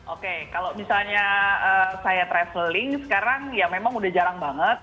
oke kalau misalnya saya traveling sekarang ya memang udah jarang banget